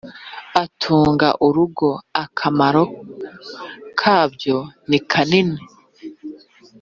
atunga urugo. akamaro kabyo ni kanini